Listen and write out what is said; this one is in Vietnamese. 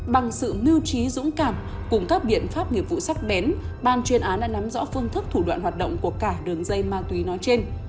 bằng sự mưu trí dũng cảm cùng các biện pháp nghiệp vụ sắc bén ban chuyên án đã nắm rõ phương thức thủ đoạn hoạt động của cả đường dây ma túy nói trên